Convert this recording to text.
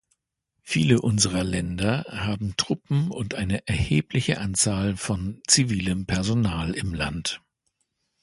Viele unserer Länder haben Truppen und eine erhebliche Anzahl von zivilem Personal im Land.